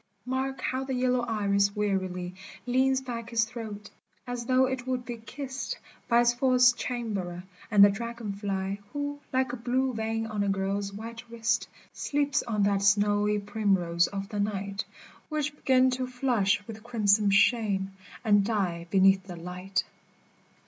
Mark how the yellow iris wearily Leans back its throat, as though it would be kissed By its false chamberer, the dragon fly, Who, like a blue vein on a girl's white wrist, Sleeps on that snowy primrose of the night, Which 'gins to flush with crimson shame, and die be neath the light.